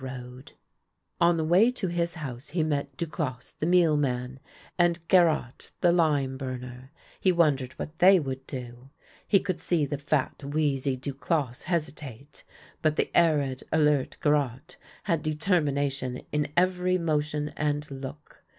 io8 THE LANE THAT HAD NO TURNING On the way to his house he met Duclosse the mealman and Garotte the Hme burner. He wondered what they would do. He could see the fat, wheezy Duclosse hesi tate, but the arid, alert Garotte had determination in every motion and look.